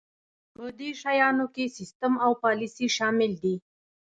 په دې شیانو کې سیستم او پالیسي شامل دي.